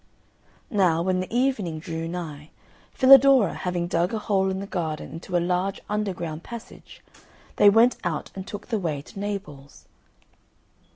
Now, when the evening drew nigh, Filadoro having dug a hole in the garden into a large underground passage, they went out and took the way to Naples.